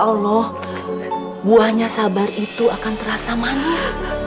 allah buahnya sabar itu akan terasa manis